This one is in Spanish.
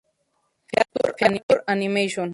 Feature Animation.